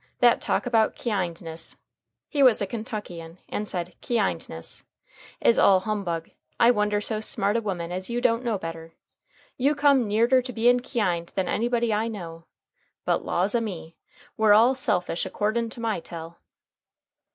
that talk about kyindness" (he was a Kentuckian and said kyindness) "is all humbug. I wonder so smart a woman as you don't know better. You come nearder to bein kyind than anybody I know; but, laws a me! we're all selfish akordin' to my tell."